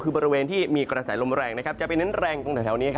คือบริเวณที่มีกระแสลมแรงจะไปเน้นแรงตรงแถวนี้